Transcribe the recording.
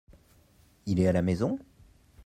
Il est à la maison ?